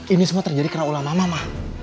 ini semua terjadi karena ulama mama